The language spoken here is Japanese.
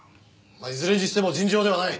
いずれにしても尋常ではない。